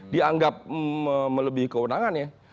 dianggap melebihi kewenangannya